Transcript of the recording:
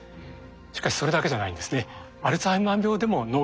しかしそれだけじゃないんですね。